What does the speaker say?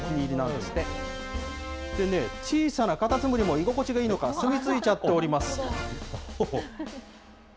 でね、小さなかたつむりも居心地がいいのか、住み着いちゃっております。